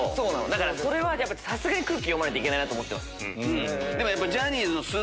だからさすがに空気読まないといけないなって思ってます。